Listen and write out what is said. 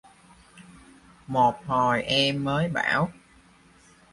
một hồi em mới bảo